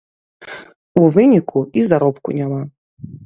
У выніку і заробку няма.